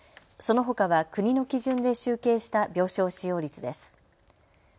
そのほかは国の基準で集計した病床使用率です。